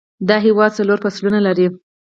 دا هیواد څلور فصلونه لري